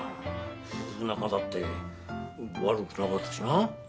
夫婦仲だって悪くなかったしな。